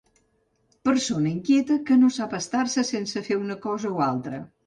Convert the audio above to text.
Persona inquieta que no sap estar-se sense fer una cosa o altra.